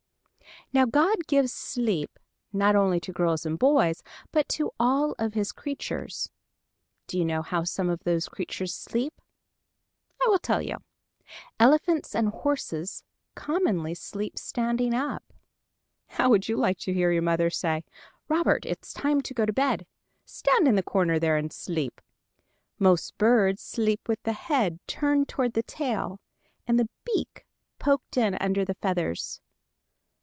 Now God gives sleep not only to girls and boys but to all of his creatures. Do you know how some of those creatures sleep? I will tell you. Elephants and horses commonly sleep standing up. How would you like to hear your mother say to you, "Robert, it's time to go to bed, stand in the corner there and sleep." Most birds sleep with the head turned toward the tail and the beak poked in under the feathers.